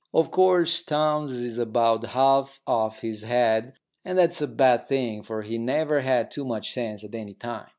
Of course Townes is about half off his head, and that's a bad thing, for he never had too much sense at any time.